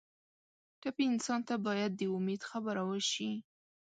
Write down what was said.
ټپي انسان ته باید د امید خبره وشي.